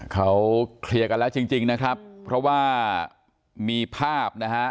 เขาเคลียร์กันแล้วจริงจริงนะครับเพราะว่ามีภาพนะฮะ